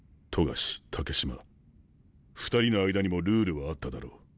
冨樫竹島２人の間にもルールはあっただろう。